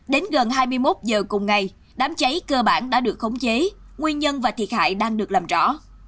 đến gần hai mươi một giờ cùng ngày đám cháy cơ bản đã được khống chế nguyên nhân và thiệt hại đang được làm rõ